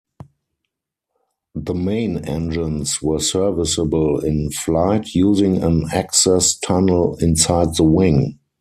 The main engines were serviceable in flight using an access tunnel inside the wing.